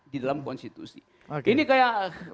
di dalam konstitusi ini kayak